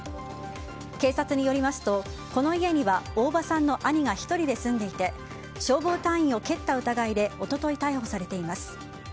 警察によりますと、この家には大場さんの兄が１人で住んでいて消防隊員を蹴った疑いで一昨日、逮捕されています。